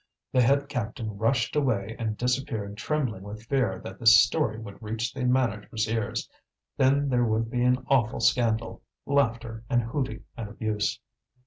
The head captain rushed away and disappeared trembling with fear that this story would reach the manager's ears. Then there would be an awful scandal, laughter, and hooting and abuse.